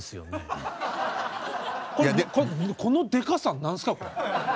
このでかさ何すかこれ。